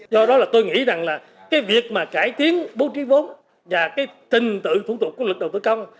do đó là tôi nghĩ rằng là cái việc mà cải tiến bố trí vốn và cái trình tự thủ tục của lực đầu tư công